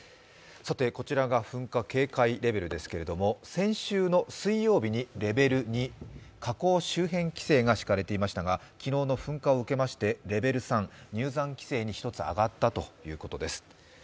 こちらが噴火警戒レベルですけれども、先週の水曜日にレベル２、火口周辺規制が敷かれていましたが昨日の噴火を受けましてレベル３・入山規制に１つ上がったということです。